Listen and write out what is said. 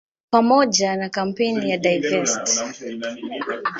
Pamoja na kampeni ya "Divest!